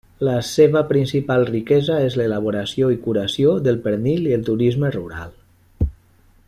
La seva principal riquesa és l'elaboració i curació del pernil i el turisme rural.